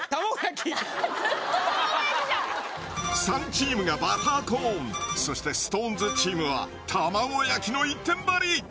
３チームがバターコーンそしてＳｉｘＴＯＮＥＳチームは玉子焼きの一点張り！